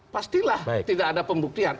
pastilah tidak ada pembuktian